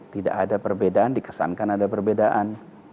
tidak ada perbedaan dikesankan ada perbedaan